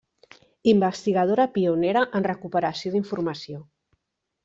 Investigadora pionera en recuperació d'informació.